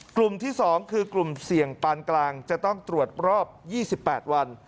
กลุ่มที่๒คือกลุ่มเสี่ยงปานกลางจะต้องตรวจรอบ๒๘วัน